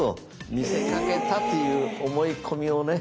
見せかけたという思い込みをね